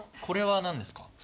これは何ですか？